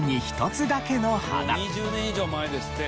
もう２０年以上前ですって。